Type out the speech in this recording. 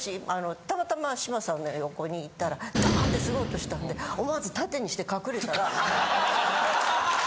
たまたま志麻さんの横に行ったらドーン！ってすごい音したんで思わず盾にして隠れたら。